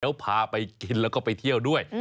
แล้วพาไปกินแล้วก็ไปเที่ยวด้วย